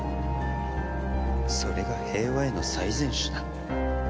それが平和への最善手だ。